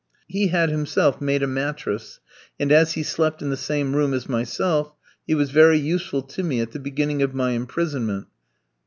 He had himself made a mattress, and as he slept in the same room as myself he was very useful to me at the beginning of my imprisonment.